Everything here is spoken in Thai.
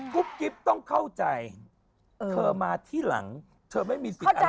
กิ๊บต้องเข้าใจเธอมาที่หลังเธอไม่มีสิทธิ์อะไร